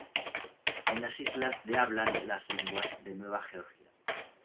En las islas de hablan las lenguas de Nueva Georgia.